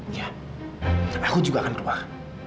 iya tapi aku juga akan keluar